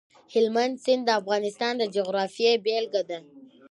هلمند سیند د افغانستان د جغرافیې بېلګه ده.